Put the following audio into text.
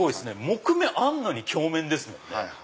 木目あんのに鏡面ですもんね。